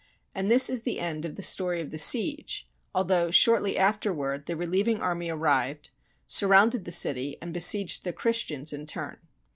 And this is the end of the story of the siege, although shortly after ward the relieving army arrived, surrounded the city, and besieged the Christians in turn.